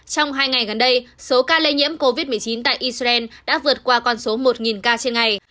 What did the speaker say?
trong hai ngày gần đây số ca lây nhiễm covid một mươi chín tại israel đã vượt qua con số một ca trên ngày